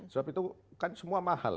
sebab itu kan semua mahal